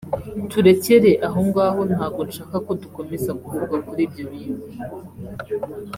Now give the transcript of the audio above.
turekere ahongaho ntago nshaka ko dukomeza kuvuga kuri ibyo bintu